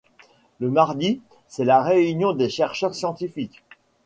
Le mardi, c'est la réunion des chercheurs scientifiques.